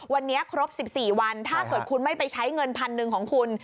วันนี้ครบ๑๔วันถ้าเกิดคุณไม่ไปใช้เงินพันหนึ่งของคุณ